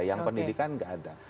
yang pendidikan gak ada